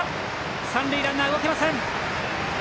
三塁ランナー、動きません。